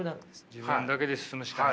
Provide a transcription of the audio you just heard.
自分だけで進むしかない。